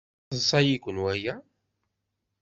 Yesseḍsay-iken waya?